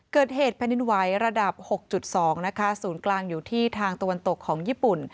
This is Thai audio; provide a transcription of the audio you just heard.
เกิดเหตุแผ่นดินไหวระดับ๖๒นะคะศูนย์กลางอยู่ที่ทางตะวันตกของญี่ปุ่น